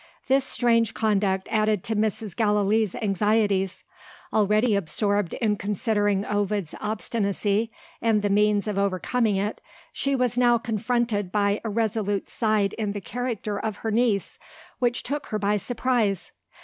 This strange conduct added to Mrs. Gallilee's anxieties. Already absorbed in considering Ovid's obstinacy, and the means of overcoming it, she was now confronted by a resolute side in the character of her niece, which took her by surprise.